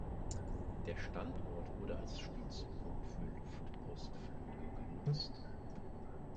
Der Standort wurde als Stützpunkt für Luftpostflüge genutzt.